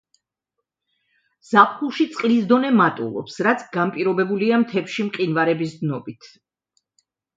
ზაფხულში წყლის დონე მატულობს, რაც განპირობებულია მთებში მყინვარების დნობით.